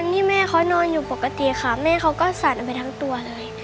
อนที่แม่เค้านอนอยู่ปกติมันก็สั่นไปทั้งทั่วเลย